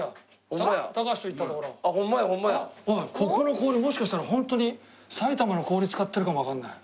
おいここの氷もしかしたらホントに埼玉の氷使ってるかもわかんない。